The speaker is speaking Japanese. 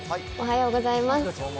おはようございます。